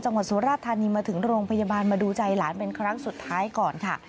สุราธานีมาถึงโรงพยาบาลมาดูใจหลานเป็นครั้งสุดท้ายก่อนค่ะ